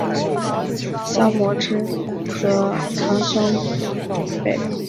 萧摹之和堂兄北兖州刺史萧源之都很看重同出兰陵萧氏的萧承之。